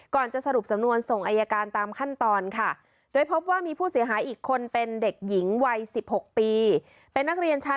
ก่อนจะสรุปสำนวนส่งอายการตามขั้นตอน